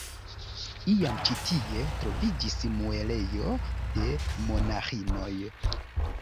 Iam ĉi tie troviĝis muelejo de monaĥinoj.